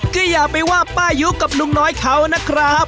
ก็อย่าไปว่าป้ายุกับลุงน้อยเขานะครับ